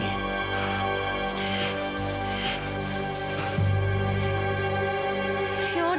tidak kamu mampus